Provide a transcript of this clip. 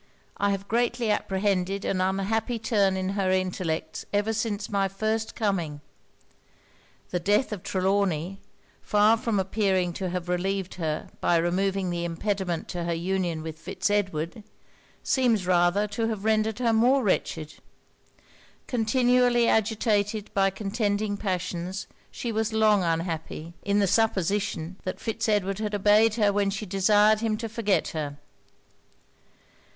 I have greatly apprehended an unhappy turn in her intellects ever since my first coming. The death of Trelawny, far from appearing to have relieved her by removing the impediment to her union with Fitz Edward, seems rather to have rendered her more wretched. Continually agitated by contending passions, she was long unhappy, in the supposition that Fitz Edward had obeyed her when she desired him to forget her.